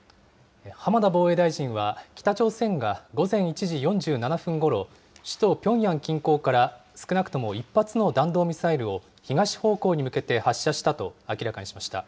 浜田防衛大臣は、北朝鮮が午前１時４７分ごろ、首都ピョンヤン近郊から、少なくとも１発の弾道ミサイルを東方向に向けて発射したと明らかにしました。